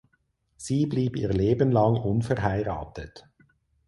Sie blieb ihr Leben lang unverheiratet.